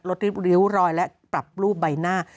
ริ้วรอยและปรับรูปใบหน้า